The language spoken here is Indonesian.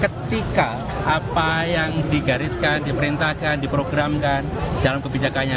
ketika apa yang digariskan diperintahkan diprogramkan dalam kebijakannya